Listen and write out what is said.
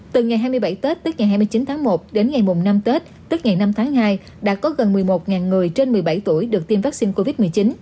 từ ngày hai mươi bảy tết tức ngày hai mươi chín tháng một đến ngày mùng năm tết tức ngày năm tháng hai đã có gần một mươi một người trên một mươi bảy tuổi được tiêm vaccine covid một mươi chín